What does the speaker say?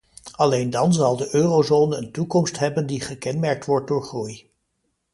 Alleen dan zal de eurozone een toekomst hebben die gekenmerkt wordt door groei.